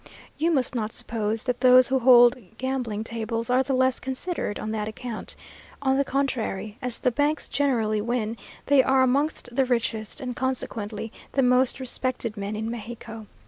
You must not suppose that those who hold gaming tables are the less considered on that account; on the contrary, as the banks generally win, they are amongst the richest, and, consequently, the most respected men in Mexico.